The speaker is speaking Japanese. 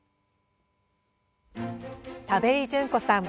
田部井淳子さん